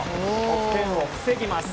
得点を防ぎます。